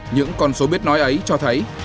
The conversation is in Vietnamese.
những con số biết nói ấy cho thấy